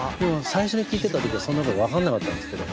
最初に聴いてた時はそんなこと分かんなかったんですけど。